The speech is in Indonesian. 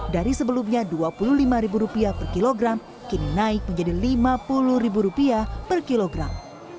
dari sebelumnya dua puluh lima ribu rupiah per kilogram kini naik menjadi lima puluh ribu rupiah per kilogram